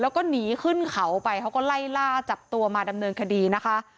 แล้วก็หนีขึ้นเขาไปเขาก็ไล่ล่าจับตัวมาดำเนินคดีนะคะ